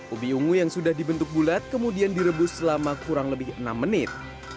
ubi ungu yang sudah dibentuk bulat kemudian direbus selama kurang lebih enam menit